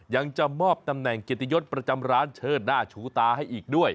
ยังจะมอบตำแหน่งเกียรติยศประจำร้านเชิดหน้าชูตาให้อีกด้วย